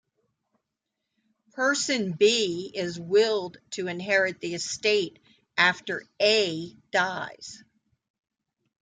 Person B is willed to inherit the estate after A dies.